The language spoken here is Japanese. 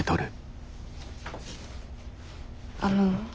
あの。